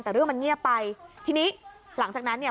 แต่เรื่องมันเงียบไปทีนี้หลังจากนั้นเนี่ย